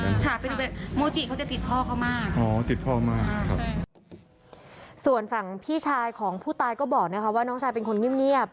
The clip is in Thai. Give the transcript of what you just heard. ค่ะโมจิเขาจะติดพ่อเขามากอ๋อติดพ่อมากครับส่วนฝั่งพี่ชายของผู้ตายก็บอกนะคะว่าน้องชายเป็นคนเงียบเงียบ